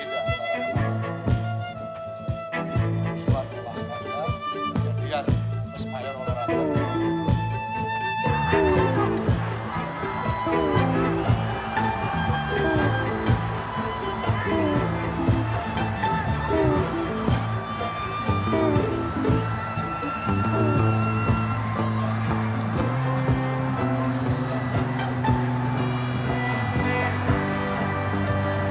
dalamnya adalah kesempatan terkait dengan pengamatan